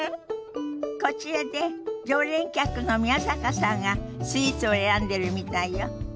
こちらで常連客の宮坂さんがスイーツを選んでるみたいよ。